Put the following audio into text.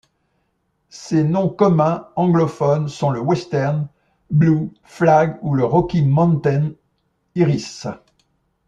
Ses noms communs anglophones sont le western blue flag ou le Rocky Mountain iris.